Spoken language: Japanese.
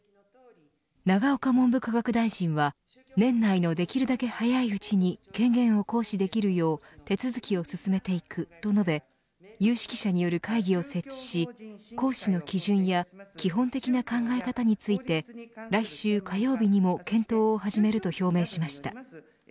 永岡文部科学大臣は年内のできるだけ早いうちに権限を行使できるよう手続きを進めていくと述べ有識者による会議を設置し行使の基準や基本的な考え方について来週火曜日にも検討を始めると表明しました。